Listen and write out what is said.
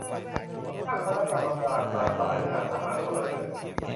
ตั้งคณะกรรมการประสานงานทหาร-พลเรือน